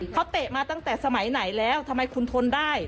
เขาเตะมาตั้งแต่สมัยไหนแล้วทำไมคุณทนได้